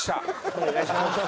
お願いします。